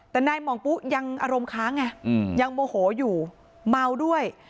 แต่นายหม่องปุ๊ยังอารมณ์ค้างไงยังโมโหอยู่เมาด้วย